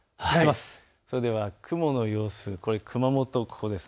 それでは雲の様子、熊本がここです。